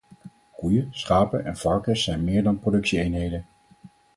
Koeien, schapen en varkens zijn meer dan productie-eenheden.